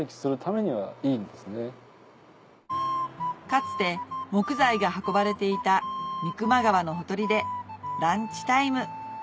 かつて木材が運ばれていた三隈川のほとりでランチタイム